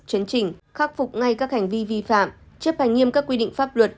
chấn trình khắc phục ngay các hành vi vi phạm chấp hành nghiêm các quy định pháp luật